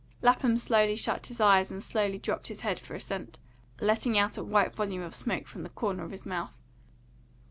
Lapham slowly shut his eyes and slowly dropped his head for assent, letting out a white volume of smoke from the corner of his mouth.